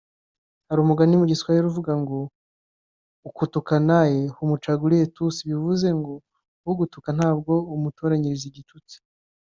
Hari umugani mu giswayire uvuga ngo ‘Ukutukanae humchagulie tusi’ bivuze ngo ‘Ugutuka ntabwo umutoranyiriza igitutsi’